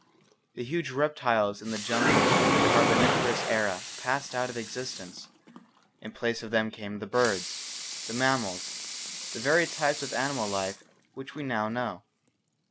The huge reptiles in the jungle of the Carboniferous era passed out of existence. In place of them came the birds, the mammals, the varied types of animal life which we now know.